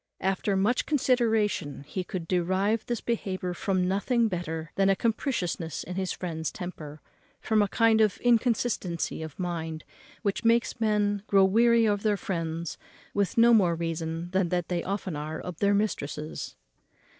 After much consideration he could derive this behaviour from nothing better than a capriciousness in his friend's temper, from a kind of inconstancy of mind, which makes men grow weary of their friends with no more reason than they often are of their mistresses.